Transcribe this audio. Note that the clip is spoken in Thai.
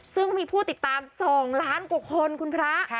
ซึ่งมีผู้ติดตาม๒ล้านกว่าคนคุณพระ